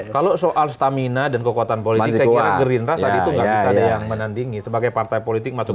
kalau soal stamina dan kekuatan politik saya kira gerindra saat itu nggak bisa ada yang menandingi sebagai partai politik macam macam